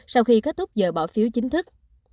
sau khi kết thúc giờ bỏ phiếu chính thức